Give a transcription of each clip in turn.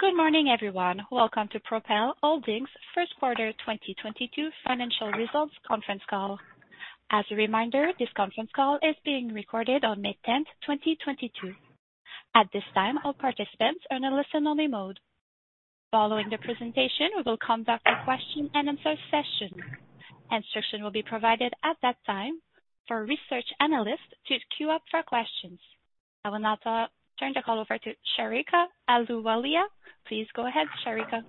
Good morning, everyone. Welcome to Propel Holdings first quarter 2022 financial results conference call. As a reminder, this conference call is being recorded on May 10th, 2022. At this time, all participants are in a listen only mode. Following the presentation, we will conduct a question-and-answer session. Instruction will be provided at that time for research analysts to queue up for questions. I will now turn the call over to Sarika Ahluwalia. Please go ahead, Sarika.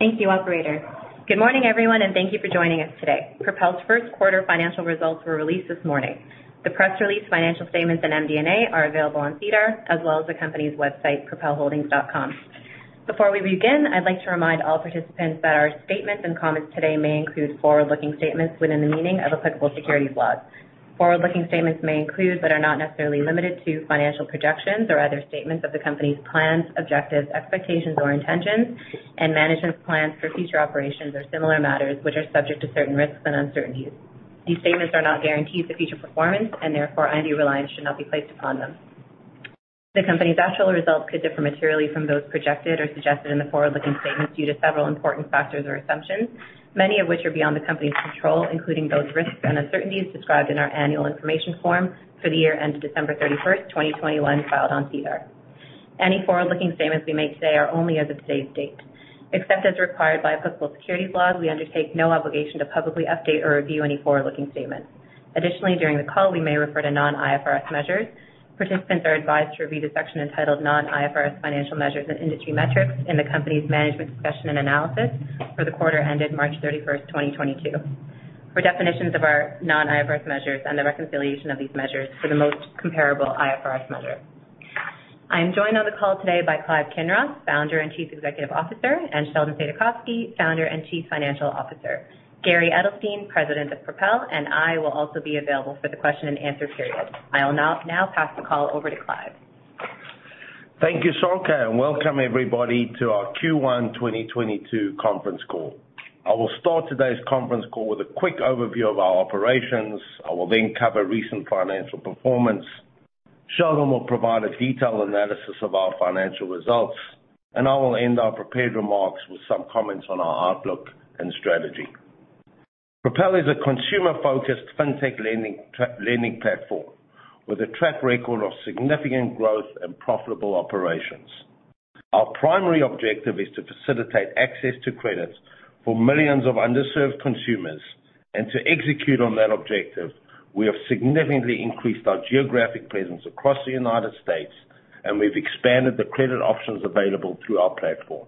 Thank you, operator. Good morning, everyone, and thank you for joining us today. Propel's first quarter financial results were released this morning. The press release, financial statements, and MD&A are available on SEDAR as well as the company's website, propelholdings.com. Before we begin, I'd like to remind all participants that our statements and comments today may include forward-looking statements within the meaning of applicable securities laws. Forward-looking statements may include, but are not necessarily limited to financial projections or other statements of the company's plans, objectives, expectations or intentions, and management plans for future operations or similar matters which are subject to certain risks and uncertainties. These statements are not guarantees of future performance, and therefore, undue reliance should not be placed upon them. The company's actual results could differ materially from those projected or suggested in the forward-looking statements due to several important factors or assumptions, many of which are beyond the company's control, including those risks and uncertainties described in our annual information form for the year ended December 31st, 2021, filed on SEDAR. Any forward-looking statements we make today are only as of today's date. Except as required by applicable securities laws, we undertake no obligation to publicly update or review any forward-looking statements. Additionally, during the call, we may refer to non-IFRS measures. Participants are advised to review the section entitled Non-IFRS Financial Measures and Industry Metrics in the company's management discussion and analysis for the quarter ended March 31st, 2022 for definitions of our non-IFRS measures and the reconciliation of these measures for the most comparable IFRS measure. I'm joined on the call today by Clive Kinross, Founder and Chief Executive Officer, and Sheldon Saidakovsky, Founder and Chief Financial Officer. Gary Edelstein, President of Propel, and I will also be available for the question and answer period. I will now pass the call over to Clive. Thank you, Sarika, and welcome everybody to our Q1 2022 conference call. I will start today's conference call with a quick overview of our operations. I will then cover recent financial performance. Sheldon will provide a detailed analysis of our financial results, and I will end our prepared remarks with some comments on our outlook and strategy. Propel is a consumer-focused fintech lending platform with a track record of significant growth and profitable operations. Our primary objective is to facilitate access to credit for millions of underserved consumers. To execute on that objective, we have significantly increased our geographic presence across the United States, and we've expanded the credit options available through our platform.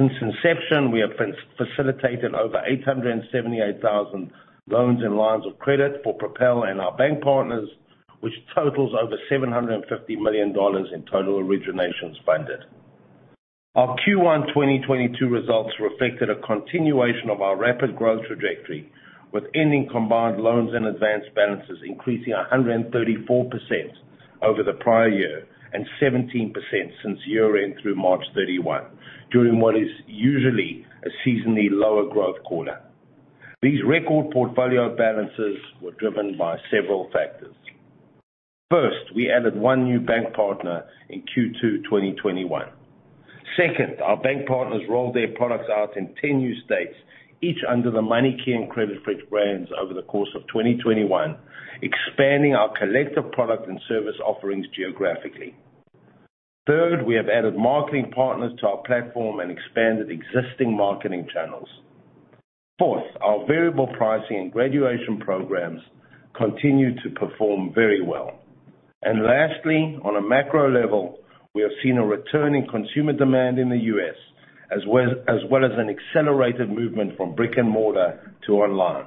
Since inception, we have facilitated over 878,000 loans and lines of credit for Propel and our bank partners, which totals over $750 million in total originations funded. Our Q1 2022 results reflected a continuation of our rapid growth trajectory, with ending combined loans and advanced balances increasing 134% over the prior year and 17% since year-end through March 31, during what is usually a seasonally lower growth quarter. These record portfolio balances were driven by several factors. First, we added one new bank partner in Q2 2021. Second, our bank partners rolled their products out in 10 new states, each under the MoneyKey and CreditFresh brands over the course of 2021, expanding our collective product and service offerings geographically. Third, we have added marketing partners to our platform and expanded existing marketing channels. Fourth, our variable pricing and graduation programs continue to perform very well. Lastly, on a macro level, we have seen a return in consumer demand in the U.S. as well, as well as an accelerated movement from brick and mortar to online.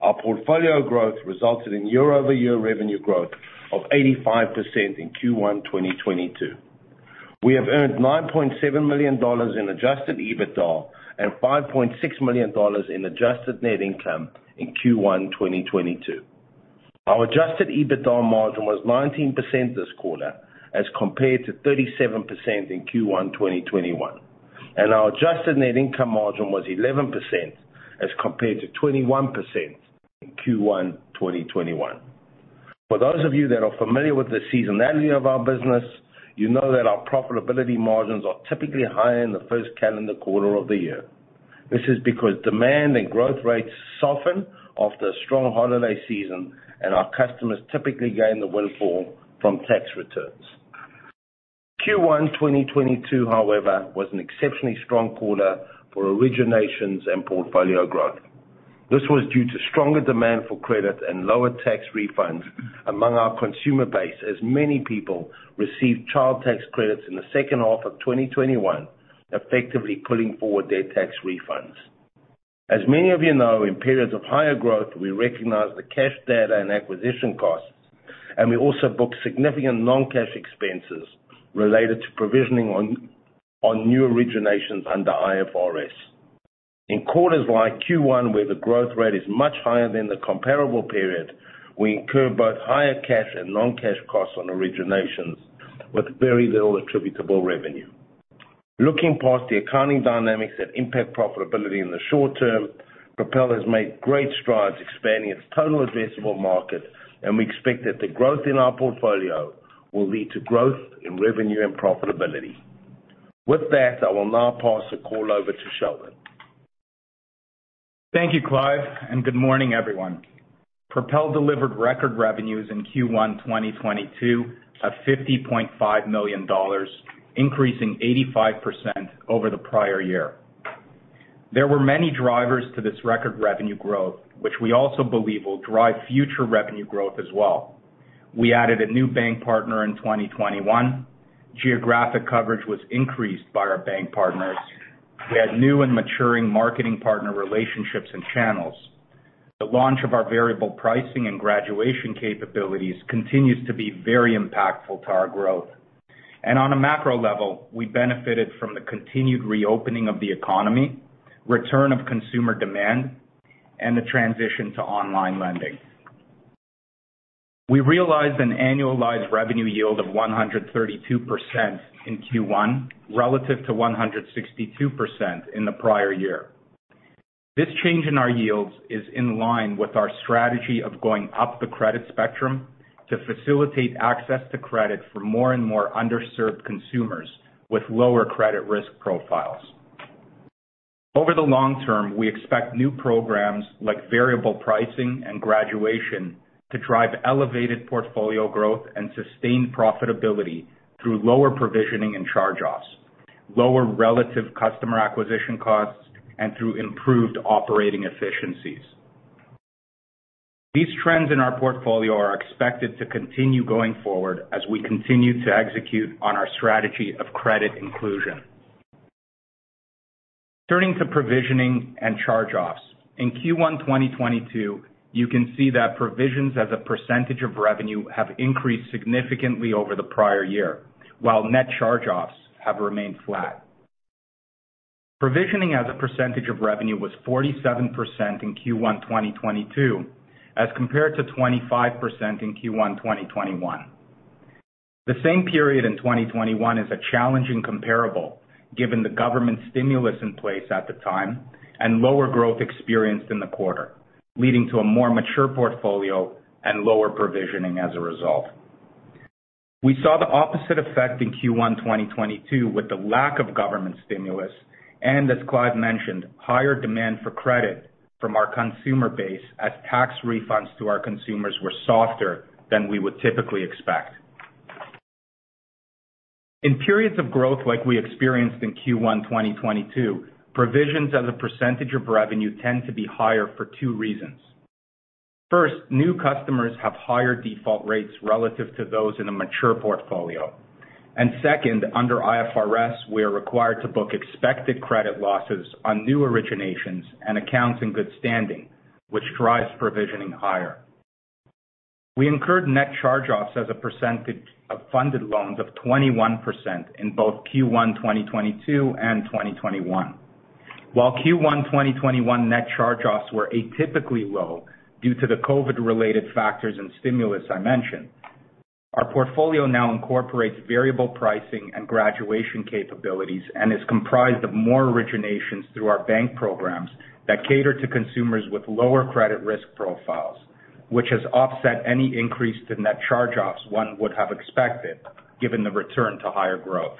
Our portfolio growth resulted in year-over-year revenue growth of 85% in Q1 2022. We have earned $9.7 million in Adjusted EBITDA and $5.6 million in Adjusted Net Income in Q1 2022. Our Adjusted EBITDA margin was 19% this quarter as compared to 37% in Q1 2021, and our Adjusted Net Income margin was 11% as compared to 21% in Q1 2021. For those of you that are familiar with the seasonality of our business, you know that our profitability margins are typically higher in the first calendar quarter of the year. This is because demand and growth rates soften after a strong holiday season, and our customers typically gain the windfall from tax returns. Q1 2022, however, was an exceptionally strong quarter for originations and portfolio growth. This was due to stronger demand for credit and lower tax refunds among our consumer base as many people received child tax credits in the second half of 2021, effectively pulling forward their tax refunds. As many of you know, in periods of higher growth, we recognize the cash data and acquisition costs, and we also book significant non-cash expenses related to provisioning on new originations under IFRS. In quarters like Q1, where the growth rate is much higher than the comparable period, we incur both higher cash and non-cash costs on originations with very little attributable revenue. Looking past the accounting dynamics that impact profitability in the short term, Propel has made great strides expanding its total addressable market, and we expect that the growth in our portfolio will lead to growth in revenue and profitability. With that, I will now pass the call over to Sheldon. Thank you, Clive, and good morning, everyone. Propel delivered record revenues in Q1 2022 at 50.5 million dollars, increasing 85% over the prior year. There were many drivers to this record revenue growth, which we also believe will drive future revenue growth as well. We added a new bank partner in 2021. Geographic coverage was increased by our bank partners. We had new and maturing marketing partner relationships and channels. The launch of our variable pricing and graduation capabilities continues to be very impactful to our growth. On a macro level, we benefited from the continued reopening of the economy, return of consumer demand, and the transition to online lending. We realized an annualized revenue yield of 132% in Q1, relative to 162% in the prior year. This change in our yields is in line with our strategy of going up the credit spectrum to facilitate access to credit for more and more underserved consumers with lower credit risk profiles. Over the long term, we expect new programs like variable pricing and graduation to drive elevated portfolio growth and sustained profitability through lower provisioning and charge-offs, lower relative customer acquisition costs, and through improved operating efficiencies. These trends in our portfolio are expected to continue going forward as we continue to execute on our strategy of credit inclusion. Turning to provisioning and charge-offs. In Q1 2022, you can see that provisions as a percentage of revenue have increased significantly over the prior year, while net charge-offs have remained flat. Provisioning as a percentage of revenue was 47% in Q1 2022, as compared to 25% in Q1 2021. The same period in 2021 is a challenging comparable given the government stimulus in place at the time and lower growth experienced in the quarter, leading to a more mature portfolio and lower provisioning as a result. We saw the opposite effect in Q1 2022 with the lack of government stimulus, and as Clive mentioned, higher demand for credit from our consumer base as tax refunds to our consumers were softer than we would typically expect. In periods of growth like we experienced in Q1 2022, provisions as a percentage of revenue tend to be higher for two reasons. First, new customers have higher default rates relative to those in a mature portfolio. Second, under IFRS, we are required to book expected credit losses on new originations and accounts in good standing, which drives provisioning higher. We incurred net charge-offs as a percentage of funded loans of 21% in both Q1 2022 and 2021. While Q1 2021 net charge-offs were atypically low due to the COVID-related factors and stimulus I mentioned, our portfolio now incorporates variable pricing and graduation capabilities and is comprised of more originations through our bank programs that cater to consumers with lower credit risk profiles, which has offset any increase to net charge-offs one would have expected given the return to higher growth.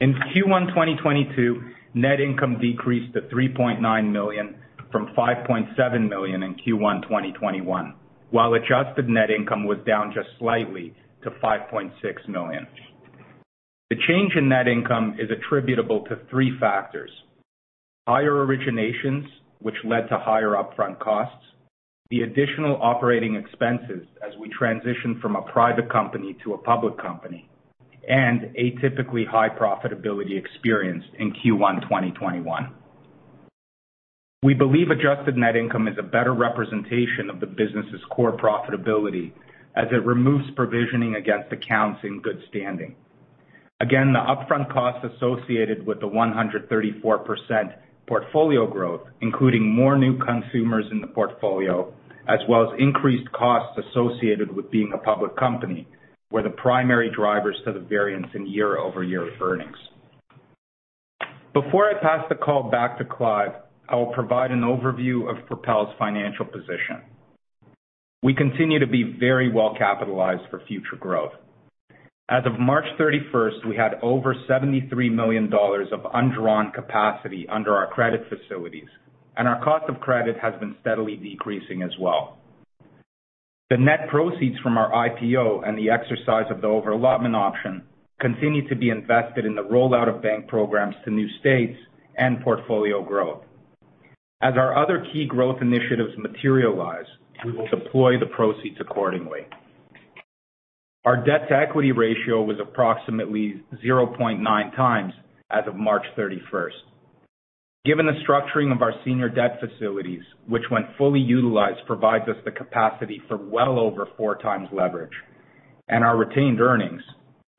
In Q1 2022, net income decreased to 3.9 million from 5.7 million in Q1 2021, while Adjusted Net Income was down just slightly to 5.6 million. The change in net income is attributable to three factors, higher originations, which led to higher upfront costs, the additional operating expenses as we transition from a private company to a public company, and atypically high profitability experienced in Q1 2021. We believe Adjusted Net Income is a better representation of the business's core profitability as it removes provisioning against accounts in good standing. Again, the upfront costs associated with the 134% portfolio growth, including more new consumers in the portfolio, as well as increased costs associated with being a public company, were the primary drivers to the variance in year-over-year earnings. Before I pass the call back to Clive, I will provide an overview of Propel's financial position. We continue to be very well capitalized for future growth. As of March 31st, we had over 73 million dollars of undrawn capacity under our credit facilities, and our cost of credit has been steadily decreasing as well. The net proceeds from our IPO and the exercise of the over-allotment option continue to be invested in the rollout of bank programs to new states and portfolio growth. As our other key growth initiatives materialize, we will deploy the proceeds accordingly. Our debt-to-equity ratio was approximately 0.9x as of March 31st. Given the structuring of our senior debt facilities, which when fully utilized, provides us the capacity for well over 4x leverage and our retained earnings,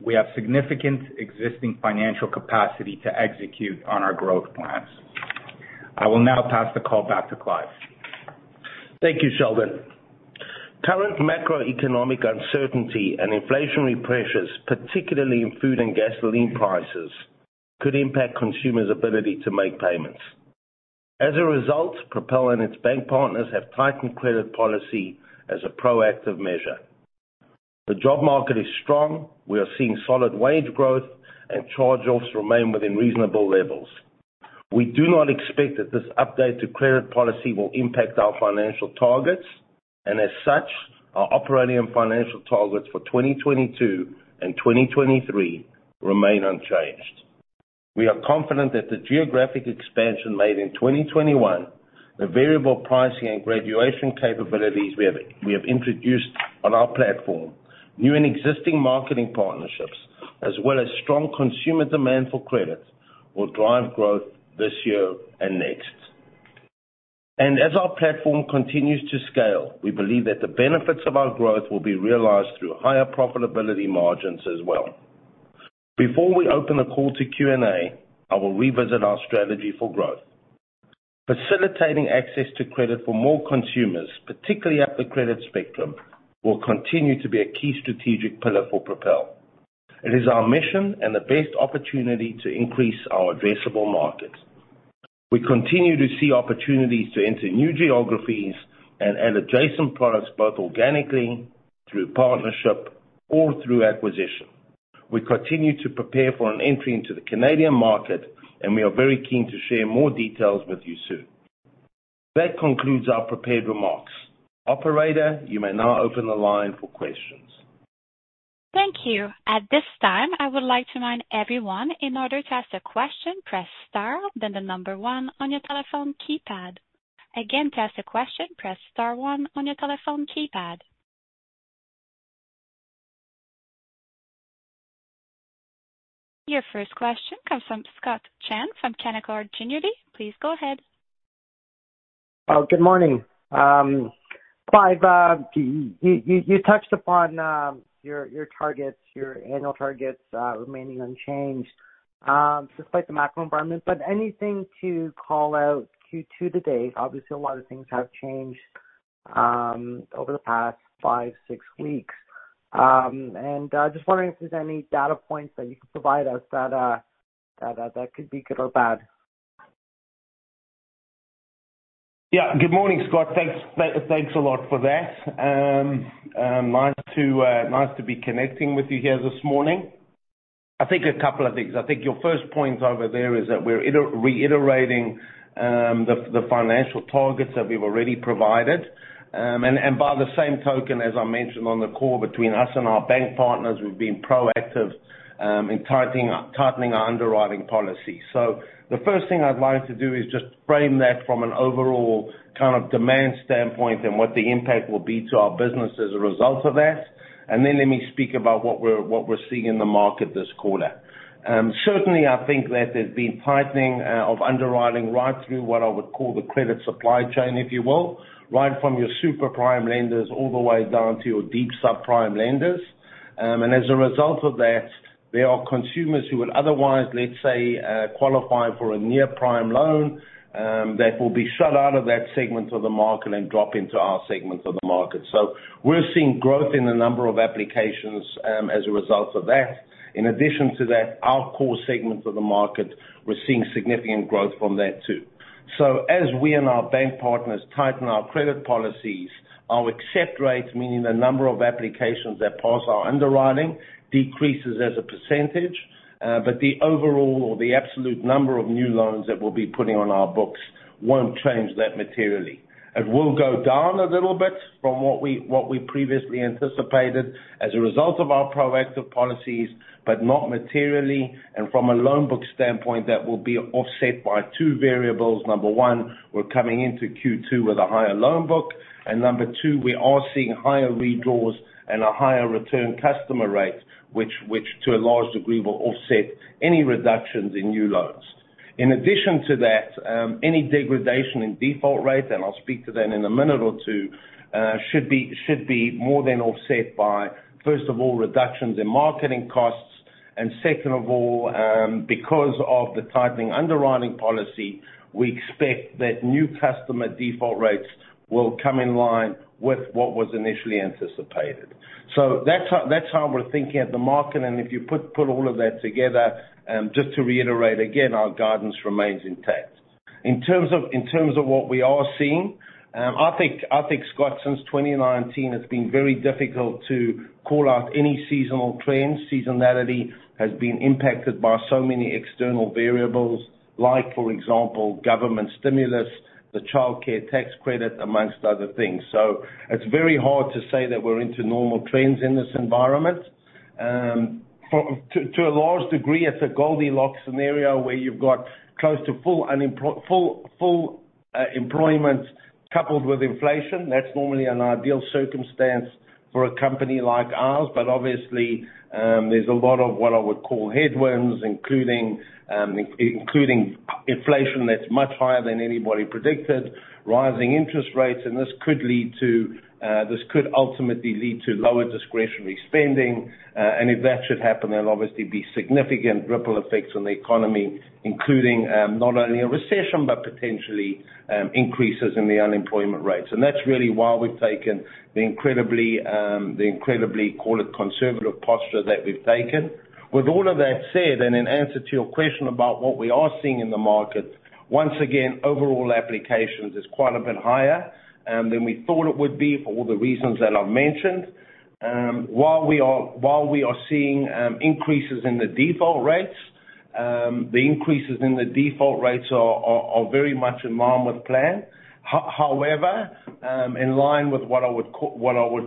we have significant existing financial capacity to execute on our growth plans. I will now pass the call back to Clive. Thank you, Sheldon. Current macroeconomic uncertainty and inflationary pressures, particularly in food and gasoline prices, could impact consumers' ability to make payments. As a result, Propel and its bank partners have tightened credit policy as a proactive measure. The job market is strong. We are seeing solid wage growth and charge-offs remain within reasonable levels. We do not expect that this update to credit policy will impact our financial targets, and as such, our operating and financial targets for 2022 and 2023 remain unchanged. We are confident that the geographic expansion made in 2021, the variable pricing and graduation capabilities we have introduced on our platform, new and existing marketing partnerships, as well as strong consumer demand for credit, will drive growth this year and next. As our platform continues to scale, we believe that the benefits of our growth will be realized through higher profitability margins as well. Before we open the call to Q&A, I will revisit our strategy for growth. Facilitating access to credit for more consumers, particularly at the credit spectrum, will continue to be a key strategic pillar for Propel. It is our mission and the best opportunity to increase our addressable market. We continue to see opportunities to enter new geographies and add adjacent products, both organically, through partnership or through acquisition. We continue to prepare for an entry into the Canadian market, and we are very keen to share more details with you soon. That concludes our prepared remarks. Operator, you may now open the line for questions. Thank you. At this time, I would like to remind everyone, in order to ask a question, press star, then the number one on your telephone keypad. Again, to ask a question, press star one on your telephone keypad. Your first question comes from Scott Chan from Canaccord Genuity. Please go ahead. Good morning. Clive, you touched upon your targets, your annual targets remaining unchanged despite the macro environment. Anything to call out Q2 to date, obviously a lot of things have changed over the past five, six weeks. Just wondering if there's any data points that you could provide us that could be good or bad. Yeah. Good morning, Scott. Thanks a lot for that. Nice to be connecting with you here this morning. I think a couple of things. I think your first point over there is that we're reiterating the financial targets that we've already provided. By the same token, as I mentioned on the call between us and our bank partners, we've been proactive in tightening our underwriting policy. The first thing I'd like to do is just frame that from an overall kind of demand standpoint and what the impact will be to our business as a result of that. Then let me speak about what we're seeing in the market this quarter. Certainly, I think that there's been tightening of underwriting right through what I would call the credit supply chain, if you will, right from your super prime lenders all the way down to your deep subprime lenders. As a result of that, there are consumers who would otherwise, let's say, qualify for a near prime loan that will be shut out of that segment of the market and drop into our segment of the market. We're seeing growth in the number of applications as a result of that. In addition to that, our core segment of the market, we're seeing significant growth from that too. As we and our bank partners tighten our credit policies, our accept rates, meaning the number of applications that pass our underwriting, decreases as a percentage. The overall or the absolute number of new loans that we'll be putting on our books won't change that materially. It will go down a little bit from what we previously anticipated as a result of our proactive policies, but not materially. From a loan book standpoint, that will be offset by two variables. Number one, we're coming into Q2 with a higher loan book. Number two, we are seeing higher redraws and a higher return customer rate, which to a large degree, will offset any reductions in new loans. In addition to that, any degradation in default rates, and I'll speak to that in a minute or two, should be more than offset by, first of all, reductions in marketing costs. Second of all, because of the tightening underwriting policy, we expect that new customer default rates will come in line with what was initially anticipated. That's how we're thinking at the market. If you put all of that together, just to reiterate again, our guidance remains intact. In terms of what we are seeing, I think, Scott, since 2019, it's been very difficult to call out any seasonal trends. Seasonality has been impacted by so many external variables, like for example, government stimulus, the childcare tax credit, among other things. It's very hard to say that we're into normal trends in this environment. To a large degree, it's a Goldilocks scenario where you've got close to full employment coupled with inflation. That's normally an ideal circumstance for a company like ours. Obviously, there's a lot of what I would call headwinds, including inflation that's much higher than anybody predicted, rising interest rates, and this could ultimately lead to lower discretionary spending. If that should happen, there'll obviously be significant ripple effects on the economy, including not only a recession, but potentially increases in the unemployment rates. That's really why we've taken the incredibly conservative posture that we've taken. With all of that said, in answer to your question about what we are seeing in the market, once again, overall applications is quite a bit higher than we thought it would be for all the reasons that I've mentioned. While we are seeing increases in the default rates, the increases in the default rates are very much in line with plan. However, in line with what I would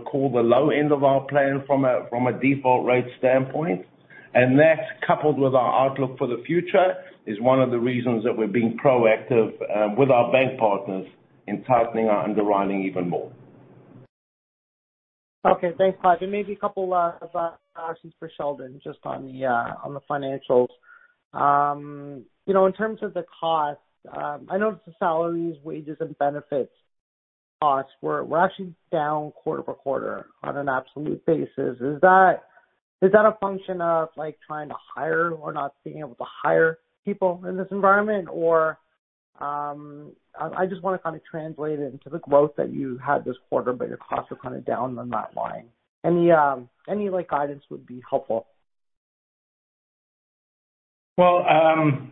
call the low end of our plan from a default rate standpoint. That coupled with our outlook for the future, is one of the reasons that we're being proactive with our bank partners in tightening our underwriting even more. Okay. Thanks, Clive. Maybe a couple of questions for Sheldon just on the financials. You know, in terms of the cost, I know the salaries, wages, and benefits costs were we're actually down quarter-over-quarter on an absolute basis. Is that a function of, like, trying to hire or not being able to hire people in this environment? Or, I just wanna kinda translate it into the growth that you had this quarter, but your costs are kind of down on that line. Any, like, guidance would be helpful. Well,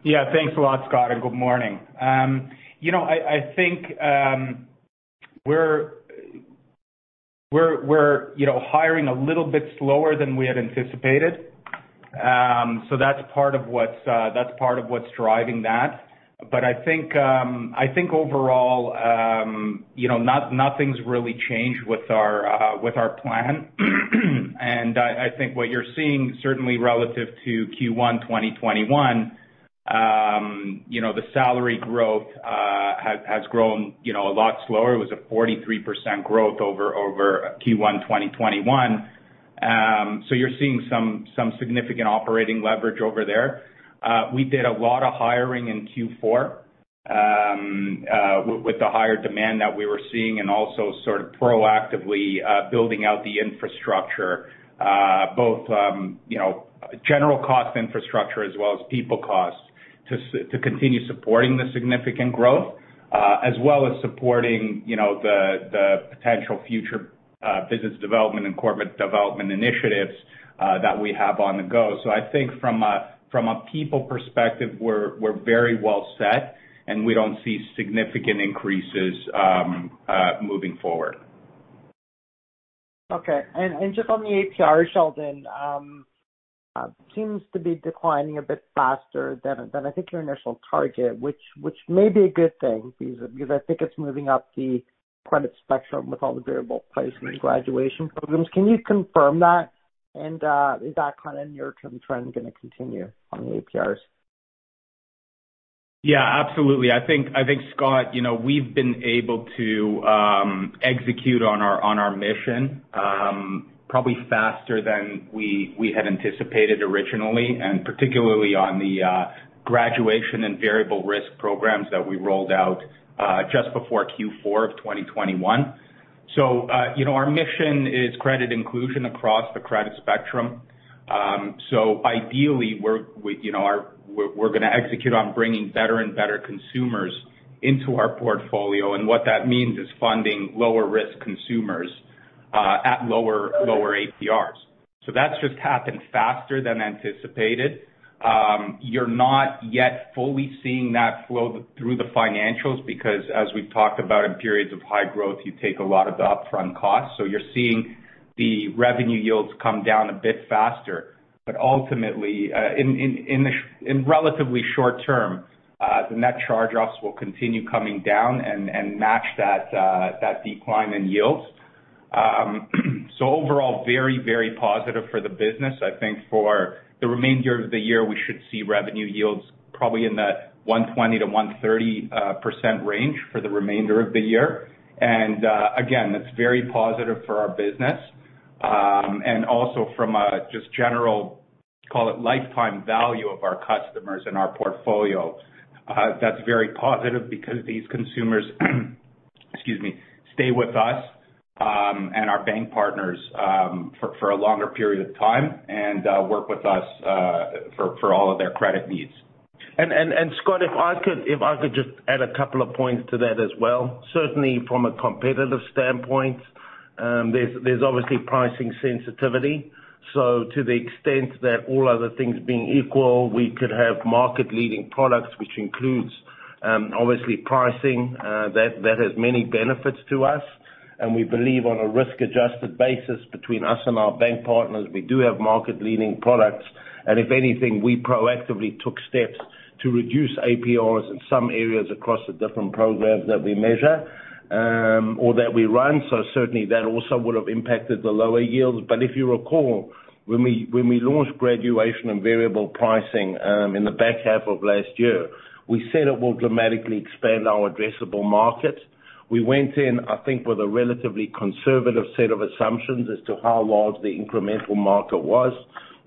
yeah. Thanks a lot, Scott, and good morning. You know, I think we're hiring a little bit slower than we had anticipated. So that's part of what's driving that. I think overall, you know, nothing's really changed with our plan. I think what you're seeing, certainly relative to Q1 2021, you know, the salary growth has grown a lot slower. It was a 43% growth over Q1 2021. So you're seeing some significant operating leverage over there. We did a lot of hiring in Q4 with the higher demand that we were seeing, and also sort of proactively building out the infrastructure, both you know, general cost infrastructure as well as people costs to continue supporting the significant growth, as well as supporting you know, the potential future business development and corporate development initiatives that we have on the go. I think from a people perspective, we're very well set, and we don't see significant increases moving forward. Okay. Just on the APR, Sheldon, seems to be declining a bit faster than I think your initial target, which may be a good thing because I think it's moving up the credit spectrum with all the variable pricing graduation programs. Can you confirm that? Is that kind of near-term trend gonna continue on the APRs? Yeah, absolutely. I think, Scott, you know, we've been able to execute on our mission probably faster than we had anticipated originally, and particularly on the graduation and variable risk programs that we rolled out just before Q4 of 2021. You know, our mission is credit inclusion across the credit spectrum. Ideally we're you know we're gonna execute on bringing better and better consumers into our portfolio. What that means is funding lower risk consumers at lower APRs. That's just happened faster than anticipated. You're not yet fully seeing that flow through the financials because as we've talked about in periods of high growth, you take a lot of the upfront costs. You're seeing the revenue yields come down a bit faster. Ultimately, in relatively short-term, the net charge-offs will continue coming down and match that decline in yields. So overall very positive for the business. I think for the remainder of the year we should see revenue yields probably in that 120%-130% range for the remainder of the year. Again, that's very positive for our business. Also from a just general, call it lifetime value of our customers and our portfolio, that's very positive because these consumers, excuse me, stay with us and our bank partners for a longer period of time and work with us for all of their credit needs. Scott, if I could just add a couple of points to that as well. Certainly from a competitive standpoint, there's obviously pricing sensitivity. To the extent that all other things being equal, we could have market-leading products, which includes obviously pricing, that has many benefits to us. We believe on a risk-adjusted basis between us and our bank partners, we do have market-leading products. If anything, we proactively took steps to reduce APRs in some areas across the different programs that we measure or that we run. Certainly that also would have impacted the lower yields. If you recall, when we launched graduation and variable pricing in the back half of last year, we said it will dramatically expand our addressable market. We went in, I think, with a relatively conservative set of assumptions as to how large the incremental market was.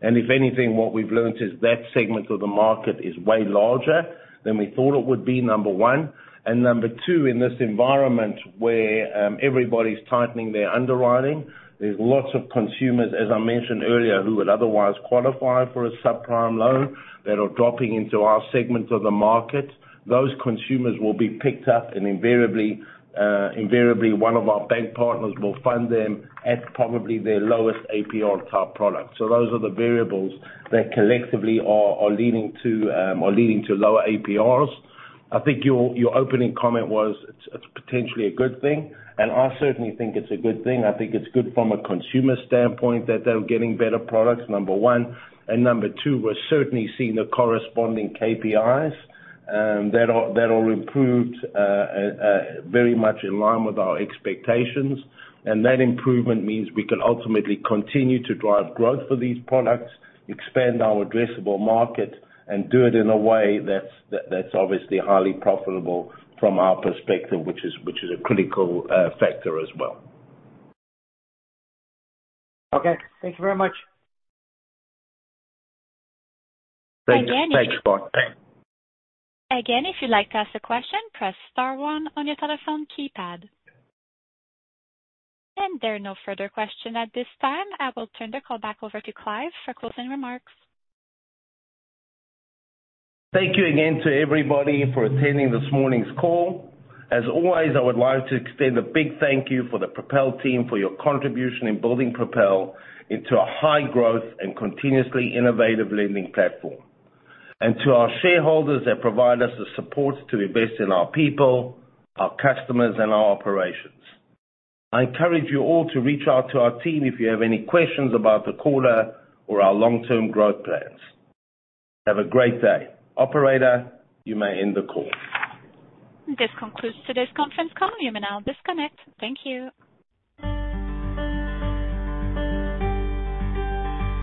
If anything, what we've learned is that segment of the market is way larger than we thought it would be, number one. Number two, in this environment where everybody's tightening their underwriting, there's lots of consumers, as I mentioned earlier, who would otherwise qualify for a subprime loan that are dropping into our segment of the market. Those consumers will be picked up and invariably one of our bank partners will fund them at probably their lowest APR type product. Those are the variables that collectively are leading to lower APRs. I think your opening comment was it's potentially a good thing, and I certainly think it's a good thing. I think it's good from a consumer standpoint that they're getting better products, number one. Number two, we're certainly seeing the corresponding KPIs that are improved very much in line with our expectations. That improvement means we can ultimately continue to drive growth for these products, expand our addressable market, and do it in a way that's obviously highly profitable from our perspective, which is a critical factor as well. Okay. Thank you very much. Thank you. Thanks, Scott. Again, if you'd like to ask a question, press star one on your telephone keypad. There are no further question at this time. I will turn the call back over to Clive for closing remarks. Thank you again to everybody for attending this morning's call. As always, I would like to extend a big thank you to the Propel team for your contribution in building Propel into a high-growth and continuously innovative lending platform. To our shareholders that provide us the support to invest in our people, our customers, and our operations. I encourage you all to reach out to our team if you have any questions about the call or our long-term growth plans. Have a great day. Operator, you may end the call. This concludes today's conference call. You may now disconnect. Thank you.